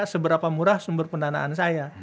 seberapa murah sumber pendanaan saya